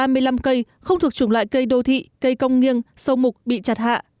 ba mươi năm cây không thuộc chủng loại cây đô thị cây công nghiêng sâu mục bị chặt hạ